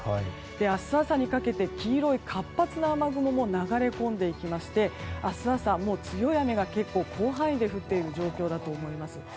明日朝にかけて黄色い活発な雨雲も流れ込んでいきまして明日朝は強い雨が結構、広範囲で降っている状況だと思います。